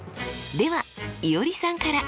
ではいおりさんから！